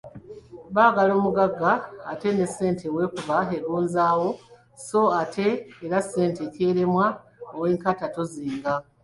Baagala mugagga, ate n’essente w’ekuba egonzaawo so ate era ssente ky’eremwa ow’enkata tozinga!